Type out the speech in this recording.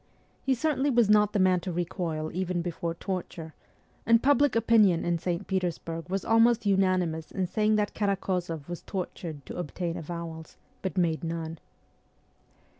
He certainly was not the man to recoil even before torture ; and public opinion in St. Peters burg was almost unanimous in saying that Karakozoff was tortured to obtain avowals, but made none.